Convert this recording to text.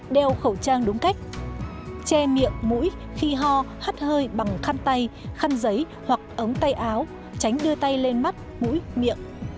đeo khẩu trang đúng cách che miệng mũi khi ho hắt hơi bằng khăn tay khăn giấy hoặc ống tay áo tránh đưa tay lên mắt mũi miệng